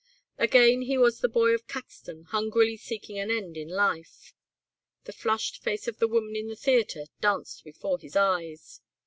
Again he was the boy of Caxton hungrily seeking an end in life. The flushed face of the woman in the theatre danced before his eyes.